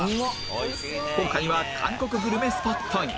今回は韓国グルメスポットに